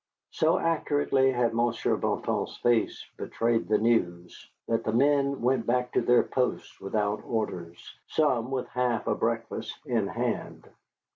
So accurately had Monsieur Bouton's face betrayed the news that the men went back to their posts without orders, some with half a breakfast in hand.